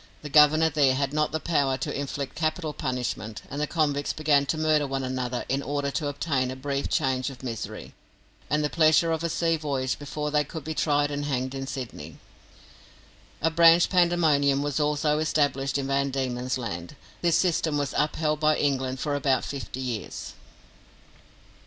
The Governor there had not the power to inflict capital punishment, and the convicts began to murder one another in order to obtain a brief change of misery, and the pleasure of a sea voyage before they could be tried and hanged in Sydney. A branch pandemonium was also established in Van Diemen's Land. This system was upheld by England for about fifty years.